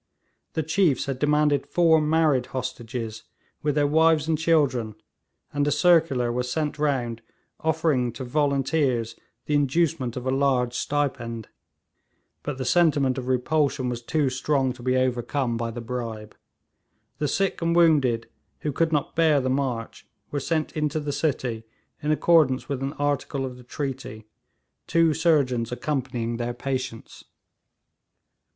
The chiefs had demanded four married hostages, with their wives and children, and a circular was sent round offering to volunteers the inducement of a large stipend; but the sentiment of repulsion was too strong to be overcome by the bribe. The sick and wounded who could not bear the march were sent into the city in accordance with an article of the treaty, two surgeons accompanying their patients.